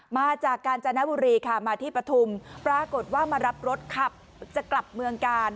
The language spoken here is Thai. มาจากกาญจนบุรีค่ะมาที่ปฐุมปรากฏว่ามารับรถขับจะกลับเมืองกาล